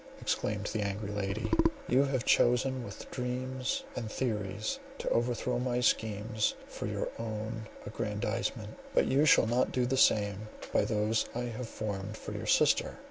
exclaimed the angry lady, "you have chosen with dreams and theories to overthrow my schemes for your own aggrandizement; but you shall not do the same by those I have formed for your sister.